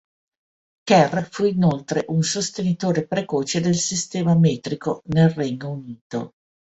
Kerr fu inoltre un sostenitore precoce del sistema metrico nel Regno Unito.